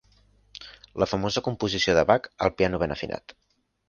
La famosa composició de Bach, "El piano ben afinat".